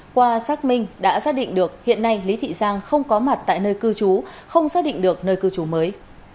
qua xác minh đã xác định được hiện nay lý thị giang không có mặt tại nơi cư trú không xác định được nơi cư trú mới